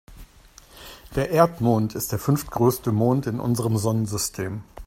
Der Erdmond ist der fünftgrößte Mond in unserem Sonnensystem.